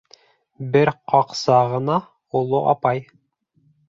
Бер ҡаҡса ғына оло апай: